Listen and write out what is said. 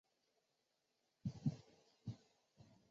阿尔泰葶苈为十字花科葶苈属下的一个种。